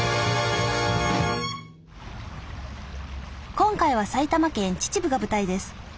今回は埼玉県秩父が舞台です。